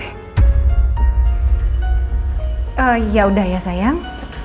eh yaudah ya sayang